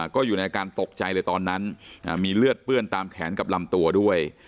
ก็อยู่ในอาการตกใจเลยตอนนั้นมีเลือดเปื้อนตามแขนกับลำตัวด้วย